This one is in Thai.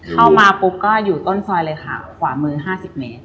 เข้ามาปุ๊บก็อยู่ต้นซอยเลยค่ะขวามือ๕๐เมตร